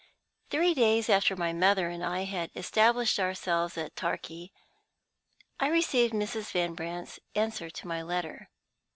THREE days after my mother and I had established ourselves at Torquay, I received Mrs. Van Brandt's answer to my letter.